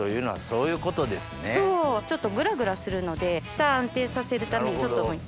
そうちょっとグラグラするので下安定させるためにちょっとむいて。